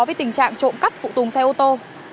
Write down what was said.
với tình trạng trộm cắp phụ tùng xe ô tô